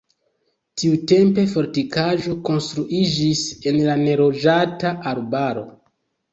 Tiutempe fortikaĵo konstruiĝis en la neloĝata arbaro.